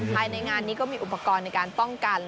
ภายในงานนี้ก็มีอุปกรณ์ในการป้องกัน